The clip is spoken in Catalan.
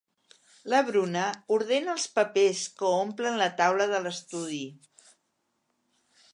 La Bruna ordena els papers que omplen la taula de l'estudi.